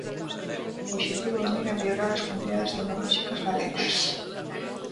O obxectivo é unir e mellorar as comunidades tecnolóxicas galegas.